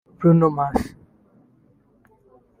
Bruno Mars